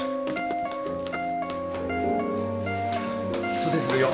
蘇生するよ